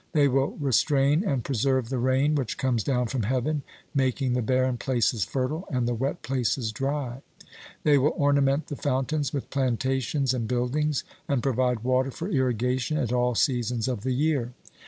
They will restrain and preserve the rain which comes down from heaven, making the barren places fertile, and the wet places dry. They will ornament the fountains with plantations and buildings, and provide water for irrigation at all seasons of the year.